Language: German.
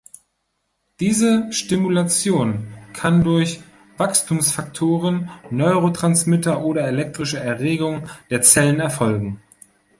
Diese Stimulation kann durch Wachstumsfaktoren, Neurotransmitter oder elektrische Erregung der Zellen erfolgen.